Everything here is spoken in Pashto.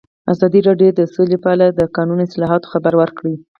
ازادي راډیو د سوله په اړه د قانوني اصلاحاتو خبر ورکړی.